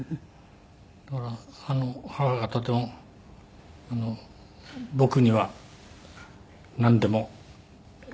だから母がとても僕にはなんでも。